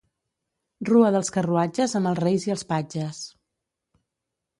Rua dels carruatges amb els Reis i els patges.